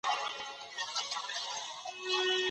د کمپیوټر ساینس پوهنځۍ پرته له پلانه نه پراخیږي.